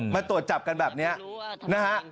มาตรวจจับกันแบบนี้นะฮะ